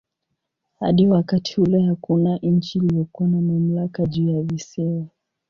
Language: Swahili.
Hadi wakati ule hakuna nchi iliyokuwa na mamlaka juu ya visiwa.